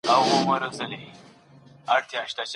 ډاکټر کولای سي اوږده پاڼه ړنګه کړي.